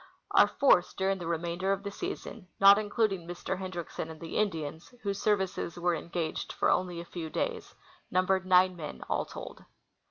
Our force during the remainder of the season, not including Mr. Hendriksen and the Indians, whose services AA'ere engaged for only a fcAV days, numbered nine men all told.